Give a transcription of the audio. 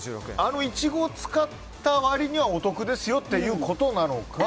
あのイチゴを使った割にはお得ですよっていうことなのか